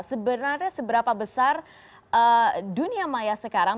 sebenarnya seberapa besar dunia maya sekarang